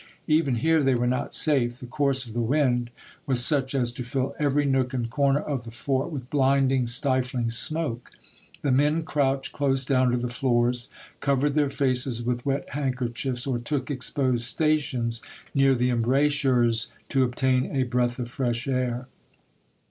Even here they were not safe ; the course of the wind was such as to fill every nook and corner of the fort with blinding, stifiiug smoke; the men crouched close down to the floors, covered their faces with wet handkerchiefs, or took exposed stations near the embrasures to obtain a breath of fresh air.